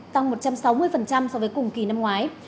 tăng một trăm sáu mươi so với cùng kỳ năm ngoái